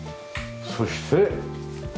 そして。